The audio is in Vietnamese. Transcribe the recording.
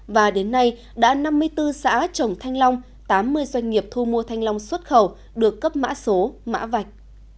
và đến nay đã năm mươi bốn xã trồng thanh long tám mươi doanh nghiệp thu mua thanh long xuất khẩu được cấp mã số mã vạch